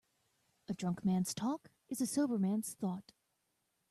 A drunk man's talk is a sober man's thought.